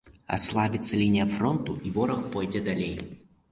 Аслабіцца лінія фронту і вораг пойдзе далей.